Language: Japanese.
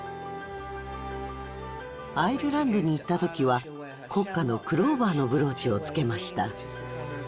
アイルランドに行った時は国花のクローバーのブローチをつけました。